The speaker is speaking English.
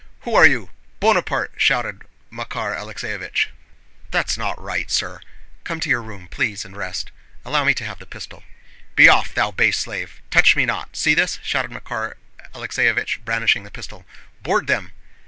"Who are you? Bonaparte!..." shouted Makár Alexéevich. "That's not right, sir. Come to your room, please, and rest. Allow me to have the pistol." "Be off, thou base slave! Touch me not! See this?" shouted Makár Alexéevich, brandishing the pistol. "Board them!"